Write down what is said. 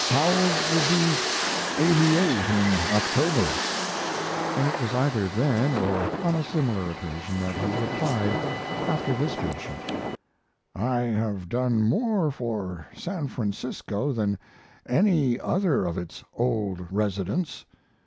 Howells will be 88 in October.) And it was either then or on a similar occasion that he replied after this fashion: I have done more for San Francisco than any other of its old residents.